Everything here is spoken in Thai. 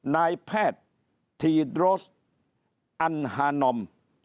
นายแพทย์ทีดโรสอันฮานอม